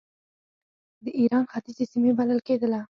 د ایران ختیځې سیمې بلل کېدله.